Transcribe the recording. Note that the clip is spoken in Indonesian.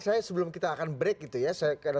saya sebelum kita akan break itu ya saya karena